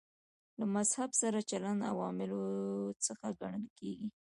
له مذهب سره چلند عواملو څخه ګڼل کېږي.